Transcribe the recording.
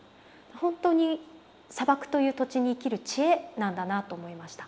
本当に砂漠という土地に生きる知恵なんだなと思いました。